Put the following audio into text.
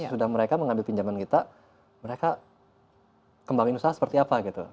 sudah mereka mengambil pinjaman kita mereka kembangin usaha seperti apa gitu